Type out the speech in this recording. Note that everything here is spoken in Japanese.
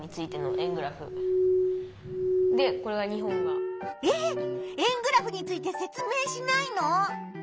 円グラフについて説明しないの？